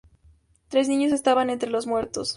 Tres niños estaban entre los muertos.